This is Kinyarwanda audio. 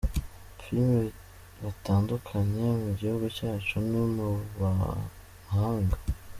filimi batandukanye mu gihugu cyacu no mu mahanga.